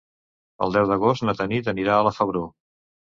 El deu d'agost na Tanit anirà a la Febró.